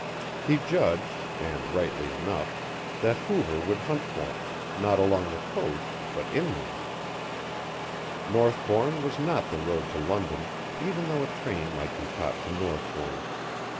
He judged, and rightly enough, that Hoover would hunt for him, not along the coast but inland. Northbourne was not the road to London, even though a train might be caught from Northbourne.